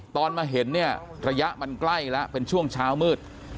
ตอนมาเห็นเนี่ยระยะมันใกล้แล้วเป็นช่วงเช้ามืด